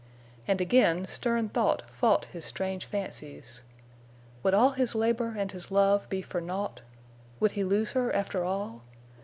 And again stern thought fought his strange fancies. Would all his labor and his love be for naught? Would he lose her, after all?